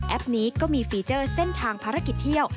นี้ก็มีฟีเจอร์เส้นทางภารกิจเที่ยว